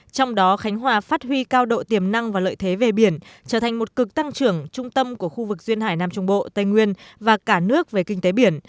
trong đó khánh hòa phát huy cao độ tiềm năng và lợi thế về biển trở thành một cực tăng trưởng trung tâm của khu vực duyên hải nam trung bộ tây nguyên và cả nước về kinh tế biển